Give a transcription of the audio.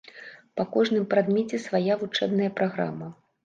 Па кожным прадмеце свая вучэбная праграма.